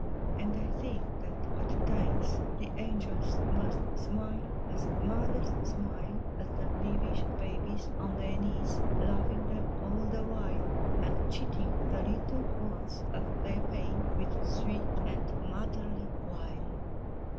And I think that at times the angels Must smile as mothers smile At the peevish babies on their knees, Loving them all the while, And cheating the little ones of their pain U ith sweet and motherly wile.